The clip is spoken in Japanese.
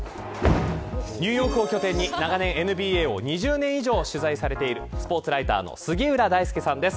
ニューヨークを拠点に長年ＮＢＡを２０年以上取材されているスポーツライターの杉浦大介さんです。